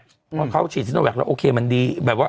ก่อนเขาฉีดลองแว้งพ์ให้แล้วโอเคมันดี